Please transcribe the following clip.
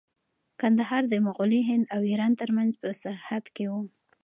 کندهار د مغلي هند او ایران ترمنځ په سرحد کې و.